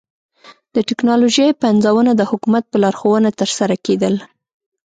د ټکنالوژۍ پنځونه د حکومت په لارښوونه ترسره کېدل.